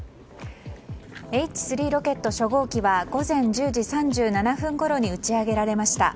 Ｈ３ロケット初号機は午前１０時３７分ごろに打ち上げられました。